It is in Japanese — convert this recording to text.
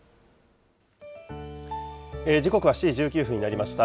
時刻は７時１９分になりました。